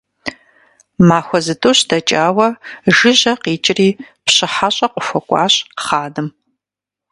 Махуэ зытӀущ дэкӀауэ, жыжьэ къикӀри, пщы хьэщӀэ къыхуэкӀуащ хъаным.